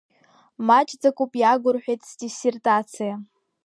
Маҷӡакоуп иагу рҳәеит сдиссертациа.